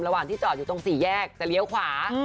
ระหว่างที่จอดอยู่ตรงสี่แยกจะเลี้ยวขวา